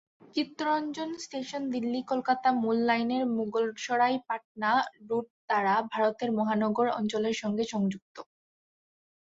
Chittaranjan station দিল্লি-কলকাতা মূল লাইনের মুগলসরাই-পাটনা root দ্বারা ভারতের মহানগর অঞ্চলের সঙ্গে সংযুক্ত।